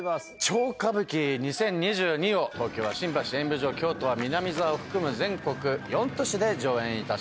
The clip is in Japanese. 『超歌舞伎２０２２』を東京は新橋演舞場京都は南座を含む全国４都市で上演いたします。